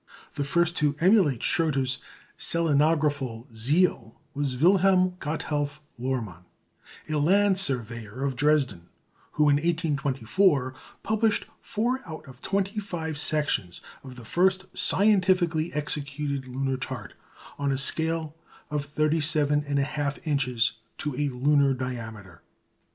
The first to emulate Schröter's selenographical zeal was Wilhelm Gotthelf Lohrmann, a land surveyor of Dresden, who, in 1824, published four out of twenty five sections of the first scientifically executed lunar chart, on a scale of 37 1/2 inches to a lunar diameter.